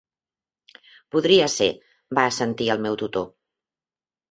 "Podria ser", va assentir el meu tutor.